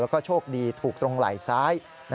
แล้วก็โชคดีถูกตรงไหล่ซ้าย